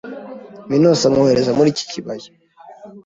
Minos amwohereza muri iki kibaya